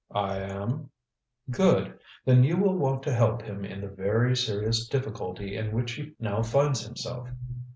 "I am." "Good. Then you will want to help him in the very serious difficulty in which he now finds himself.